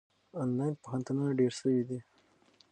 آنلاین پوهنتونونه ډېر سوي دي.